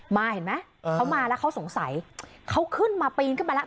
มาเห็นไหมเขามาแล้วเขาสงสัยเขาขึ้นมาปีนขึ้นไปแล้ว